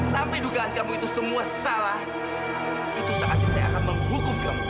sampai dugaan kamu itu semua salah itu saatnya saya akan menghukum kamu